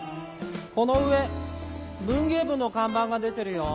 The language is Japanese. この上文芸部の看板が出てるよ。